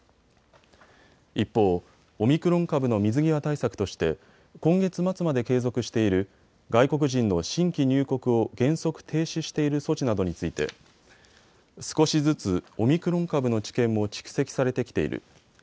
一方、オミクロン株の水際対策として今月末まで継続している外国人の新規入国を原則停止している措置などについて少しずつオミクロン株の知見も蓄積されてきている。